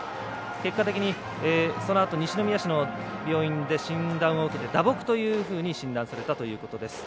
結果的にそのあと西宮市の病院で診断を受けて、打撲というふうに診断されたということです。